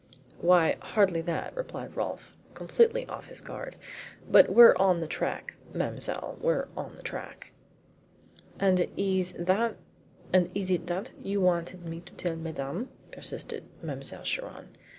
"Why, hardly that," replied Rolfe, completely off his guard. "But we're on the track, mademoiselle we're on the track." "And is it that you wanted me to tell Madame?" persisted Mademoiselle Chiron.